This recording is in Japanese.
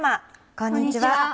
こんにちは。